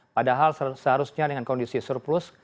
padahal seharusnya dengan kondisi surplus